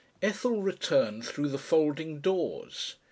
Ethel returned through the folding doors.